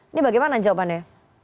ini bagaimana jawabannya